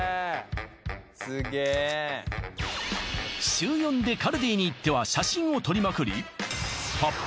週４でカルディに行っては写真を撮りまくりＰＯＰ